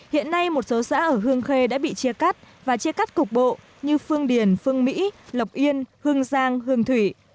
hiện nay một số xã ở hương khê đã bị chia cắt và chia cắt cục bộ như phương điền phương mỹ lộc yên hương giang hương thủy